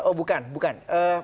oh bukan bukan